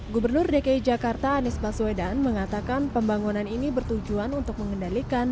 gubernur dki jakarta anies baswedan mengatakan pembangunan ini bertujuan untuk mengendalikan